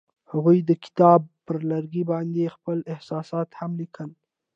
هغوی د کتاب پر لرګي باندې خپل احساسات هم لیکل.